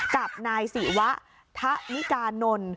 กับนายสิวะธนิกานนล